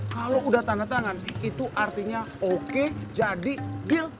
kalau udah tanda tangan itu artinya oke jadi deal